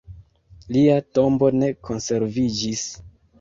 Lia tombo ne konserviĝis.